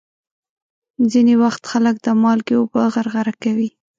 ځینې وخت خلک د مالګې اوبه غرغره کوي.